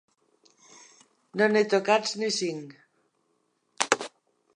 No n'he tocats ni cinc.